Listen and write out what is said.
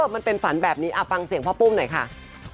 มันเป็นฝันแบบนี้ฟังเสียงพ่อปุ้มหน่อยค่ะ